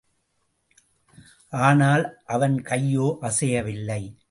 ஆனால், அவன் கையோ அசையவில்லை.